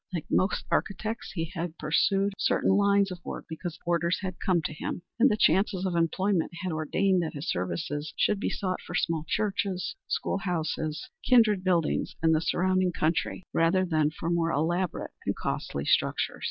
Like most architects he had pursued certain lines of work because orders had come to him, and the chances of employment had ordained that his services should be sought for small churches, school houses and kindred buildings in the surrounding country rather than for more elaborate and costly structures.